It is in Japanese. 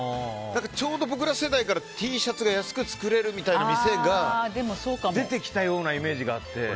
ちょうど僕ら世代からＴシャツが安く作れるみたいな店が出てきたようなイメージがあって。